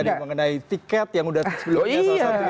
mengenai tiket yang sudah sebelumnya